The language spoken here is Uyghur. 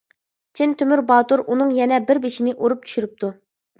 چىن تۆمۈر باتۇر ئۇنىڭ يەنە بىر بېشىنى ئۇرۇپ چۈشۈرۈپتۇ.